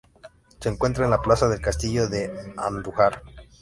Se encuentra en la plaza del Castillo, en Andújar.